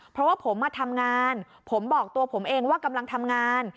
เพราะว่าผมมาทำงานผมบอกตัวผมเองว่ากำลังทำงาน